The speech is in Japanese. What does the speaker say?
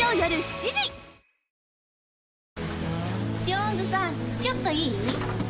ジョーンズさんちょっといい？